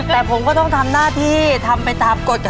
แต่ผมก็ต้องทำหน้าที่ทำไปตามกฎ